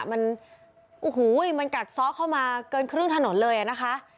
มันโอ้โหมันกัดซ้อเข้ามาเกินครึ่งถนนเลยนะคะ